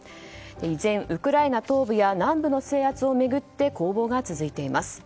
以前、ウクライナ東部や南部の制圧を巡って攻防が続いています。